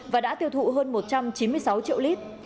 và đã tiêu thụ hơn một trăm chín mươi triệu lít xăng lậu